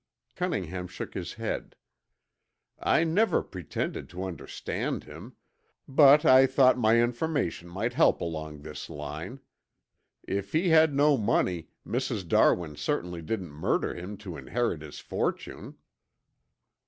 Cunningham shook his head. "I never pretended to understand him. But I thought my information might help along this line. If he had no money Mrs. Darwin certainly didn't murder him to inherit his fortune."